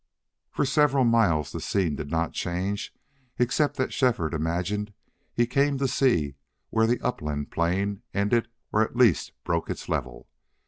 For several miles the scene did not change except that Shefford imagined he came to see where the upland plain ended or at least broke its level.